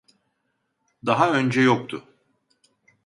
Daha önce yoktu